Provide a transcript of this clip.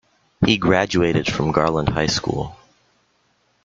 He graduated from Garland High School.